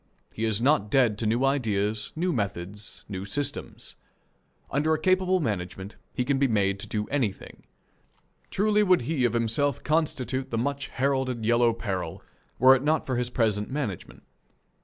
He is not dead to new ideas, new methods, new systems. Under a capable management he can be made to do anything. Truly would he of himself constitute the much heralded Yellow Peril were it not for his present management.